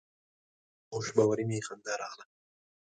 ستا په خوشباوري مې خندا راغله.